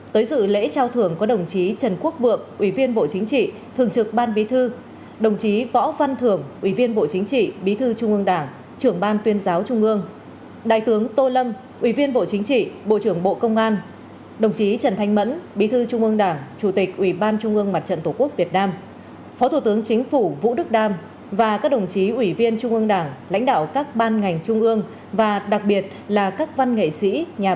tới dự lễ trao thưởng có đồng chí trần quốc vượng ủy viên bộ chính trị thường trực ban bí thư đồng chí võ văn thưởng ủy viên bộ chính trị bí thư trung ương đảng trưởng ban tuyên giáo trung ương đại tướng tô lâm ủy viên bộ chính trị bộ trưởng bộ công an đồng chí trần thanh mẫn bí thư trung ương đảng chủ tịch ủy ban trung ương mặt trận tổ quốc việt nam phó thủ tướng chính phủ vũ đức đam và các đồng chí ủy viên trung ương đảng lãnh đạo các ban ngành trung ương và đặc biệt là các văn nghệ sĩ